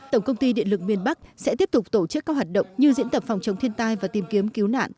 tổng công ty điện lực miền bắc sẽ tiếp tục tổ chức các hoạt động như diễn tập phòng chống thiên tai và tìm kiếm cứu nạn